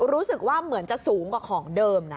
รู้สึกว่าเหมือนจะสูงกว่าของเดิมนะ